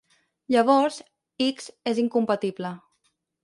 Llavors, "X" és incomptable.